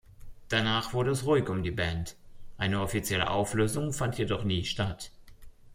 Danach wurde es ruhig um die Band, eine offizielle Auflösung fand jedoch nie statt.